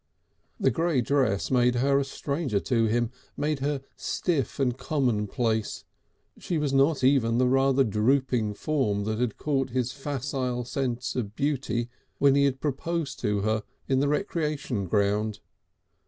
The grey dress made her a stranger to him, made her stiff and commonplace, she was not even the rather drooping form that had caught his facile sense of beauty when he had proposed to her in the Recreation Ground.